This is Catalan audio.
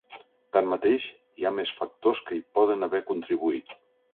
Tanmateix, hi ha més factors que hi poden haver contribuït.